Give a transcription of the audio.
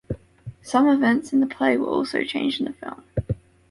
Some events in the play were also changed in the film.